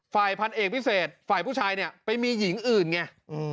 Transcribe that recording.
ฝ่ายพันเอกพิเศษฝ่ายผู้ชายเนี่ยไปมีหญิงอื่นไง